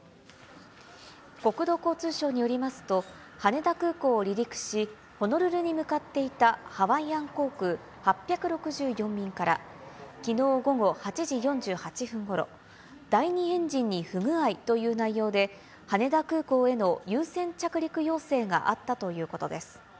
国土交通省によりますと、羽田空港を離陸し、ホノルルに向かっていたハワイアン航空８６４便から、きのう午後８時４８分ごろ、第２エンジンに不具合という内容で、羽田空港への優先着陸要請があったということです。